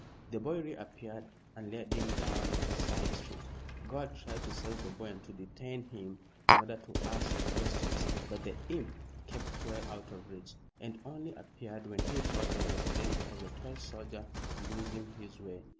The boy reappeared and led him down a side street. Gore tried to seize the boy and to detain him in order to ask questions, but the imp kept well out of reach, and only appeared when he thought there was danger of the tall soldier losing his way.